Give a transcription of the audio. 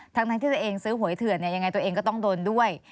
ทั้งที่ตัวเองซื้อหวยเถื่อนยังไงตัวเองก็ต้องโดนด้วย